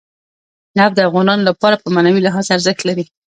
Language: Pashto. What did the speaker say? نفت د افغانانو لپاره په معنوي لحاظ ارزښت لري.